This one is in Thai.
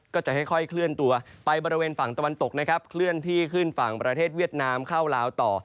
ก็จะค่อยเคลื่อนตัวไปบริเวณฝั่งตะวันตกนะครับเคลื่อนที่ขึ้นฝั่งประเทศเวียดนามเข้าลาวต่อ